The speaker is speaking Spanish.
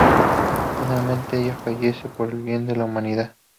Finalmente, ella fallece por el bien de la humanidad.